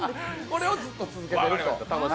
これをずっと続けてると。